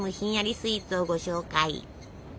スイーツをご紹介！